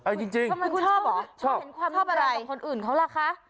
เอ้ยจริงคุณชอบเหรอชอบชอบอะไรชอบอะไรกับคนอื่นเขาล่ะคะ